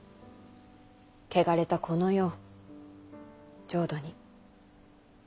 汚れたこの世を浄土に。